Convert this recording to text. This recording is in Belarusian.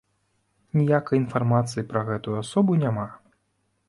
Ніякай інфармацыі пра гэтую асобу няма.